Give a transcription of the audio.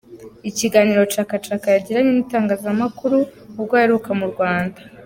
Ikiganiro Chaka Chaka yagiranye n’itangazamakuru ubwo aheruka mu Rwanda.